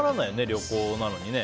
旅行なのにね。